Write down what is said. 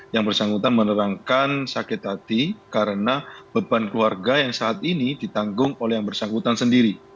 yang bersangkutan menerangkan sakit hati karena beban keluarga yang saat ini ditanggung oleh yang bersangkutan sendiri